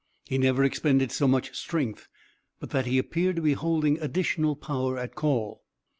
He never expended so much strength but that he appeared to be holding additional power at call.